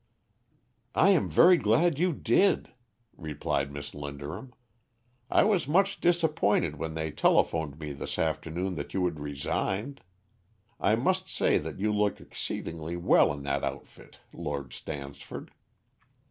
"I am very glad you did," replied Miss Linderham. "I was much disappointed when they telephoned me this afternoon that you had resigned. I must say that you look exceedingly well in that outfit, Lord Stansford."